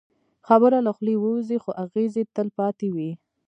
خبره له خولې ووځي، خو اغېز یې تل پاتې وي.